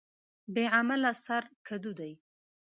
بې عمله سر کډو دى.